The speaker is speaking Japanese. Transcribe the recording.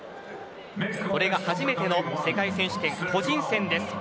これが初めての世界選手権個人戦です。